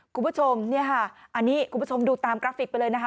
คุณผู้ชมเนี่ยค่ะอันนี้คุณผู้ชมดูตามกราฟิกไปเลยนะคะ